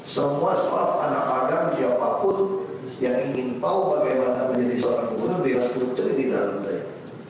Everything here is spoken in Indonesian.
semua staf anak agama siapapun yang ingin tahu bagaimana menjadi seorang pembunuh bebas untuk cerita dalam saya